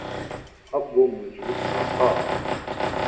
وہ اب موجود نہ تھا۔